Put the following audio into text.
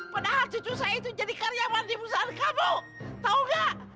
padahal cucu saya itu jadi karyawan di perusahaan kamu tahu nggak